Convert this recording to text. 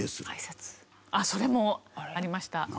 それもありました。